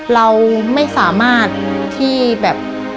เราไม่สามารถที่แบบ